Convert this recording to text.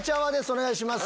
お願いします。